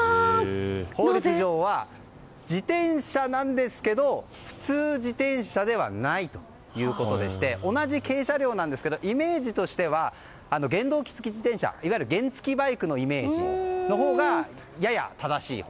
法律上は自転車なんですけど普通自転車ではないということでして同じ軽車両なんですけどイメージとしては原動機付自転車、いわゆる原付きバイクのイメージのほうがやや正しい。